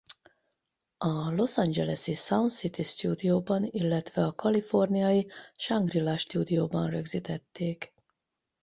A Los Angeles-i Sound City Studio-ban illetve a kaliforniai Shangri-La Studioban rögzítették.